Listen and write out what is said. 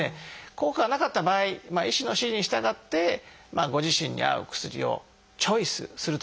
効果がなかった場合医師の指示に従ってご自身に合う薬をチョイスするということになりますね。